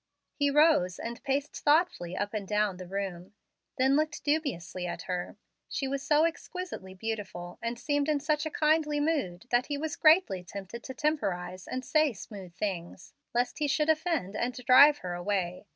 He rose and paced thoughtfully up and down the room; then looked dubiously at her. She was so exquisitely beautiful, and seemed in such a kindly mood, that he was greatly tempted to temporize and say smooth things, lest he should offend and drive her away.